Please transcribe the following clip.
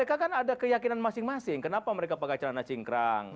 mereka kan ada keyakinan masing masing kenapa mereka pakai celana cingkrang